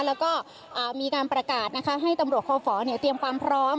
แล้วก็มีการประกาศนะคะให้ตำรวจคอฝเตรียมความพร้อม